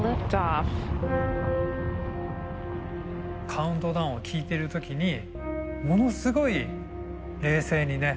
カウントダウンを聞いてる時にものすごい冷静にね